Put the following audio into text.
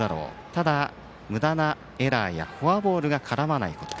ただ、むだなエラーやフォアボールが絡まないこと。